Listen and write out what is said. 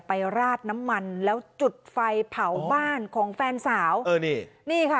ราดน้ำมันแล้วจุดไฟเผาบ้านของแฟนสาวเออนี่นี่ค่ะ